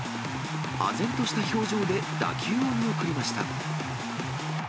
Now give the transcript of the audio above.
あぜんとした表情で打球を見送りました。